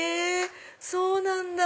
そうなんだ。